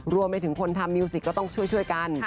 รวมไปถึงคนทำมิวสิกก็ต้องช่วยกัน